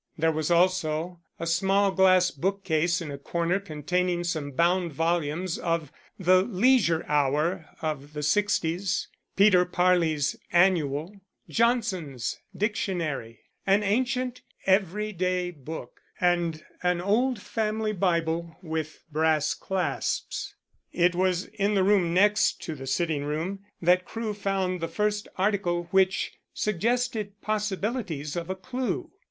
There was also a small glass bookcase in a corner containing some bound volumes of the Leisure Hour of the sixties, Peter Parley's Annual, Johnson's Dictionary, an ancient Every Day Book, and an old family Bible with brass clasps. It was in the room next to the sitting room that Crewe found the first article which suggested possibilities of a clue.